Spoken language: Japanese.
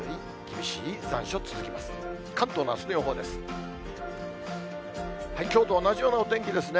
きょうと同じようなお天気ですね。